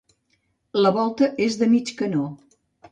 La volta és de mig canó.